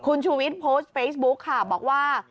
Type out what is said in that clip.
คุณชูวิทย์โพสต์เฟซบุ๊คค่ะบอกว่า